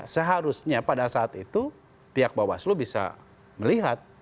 seharusnya pada saat itu pihak bawaslu bisa melihat